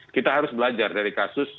kita harus belajar dari kasus